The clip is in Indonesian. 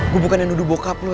gua bukan yang duduk bokap lo